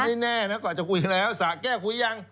ไม่แน่น้องก็อาจจะคุยแล้วสะแก้คุยยัง